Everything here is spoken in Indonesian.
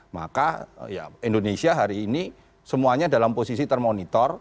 maka indonesia hari ini semuanya dalam posisi termonitor